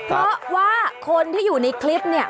เพราะว่าคนที่อยู่ในคลิปเนี่ย